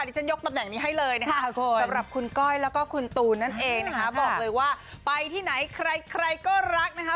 ที่ฉันยกตำแหน่งนี้ให้เลยนะคะสำหรับคุณก้อยแล้วก็คุณตูนนั่นเองนะคะบอกเลยว่าไปที่ไหนใครก็รักนะคะ